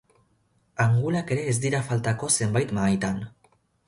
Angulak ere ez dira faltako zenbait mahaitan.